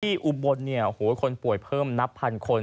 อุบลเนี่ยโอ้โหคนป่วยเพิ่มนับพันคน